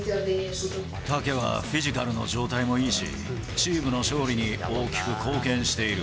タケはフィジカルの状態もいいし、チームの勝利に大きく貢献している。